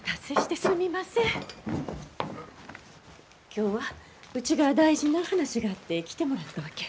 今日はうちが大事な話があって来てもらったわけ。